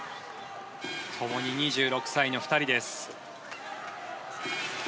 ともに２６歳の２人です。